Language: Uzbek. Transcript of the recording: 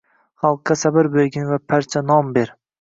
Xalqqa sabr bergin va parcha non ber